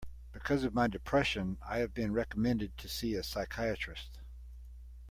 Because of my depression, I have been recommended to see a psychiatrist.